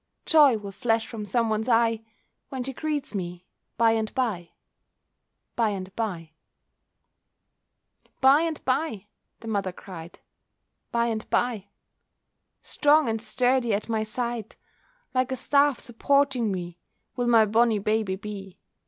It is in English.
Joy will flash from some one's eye When she greets me by and bye—by and bye." "By and bye," the mother cried—"by and bye, Strong and sturdy at my side, Like a staff supporting me, Will my bonnie baby be.